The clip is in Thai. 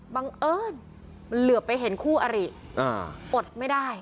บังเอิญมันเหลือไปเห็นคู่อริอดไม่ได้